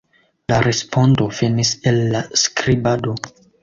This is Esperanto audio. La respondo venis el la skribado.